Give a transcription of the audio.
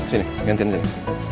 sini gantian sini